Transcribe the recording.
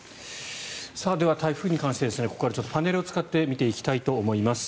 では、台風に関してここからパネルを使って見ていきたいと思います。